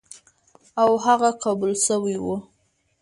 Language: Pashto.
او هغه قبول شوی و،